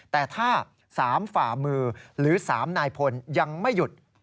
แต่ถ้า๓ฝ่ามือหรือ๓นายพลยังไม่หยุด